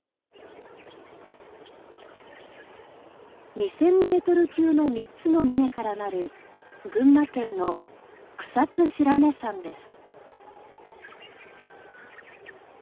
２，０００メートル級の３つの峰からなる群馬県の草津白根山です。